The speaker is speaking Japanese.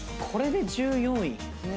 これで１４位。